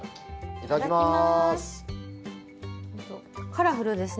いただきます。